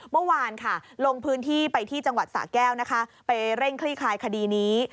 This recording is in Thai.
เมื่อวานลงพื้นที่ไปที่สาแก้วไปเร่งคลิคลายคดีนี้